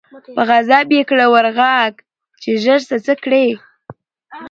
په غضب یې کړه ور ږغ چي ژر سه څه کړې